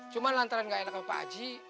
cuma lantaran gak enak sama pak aji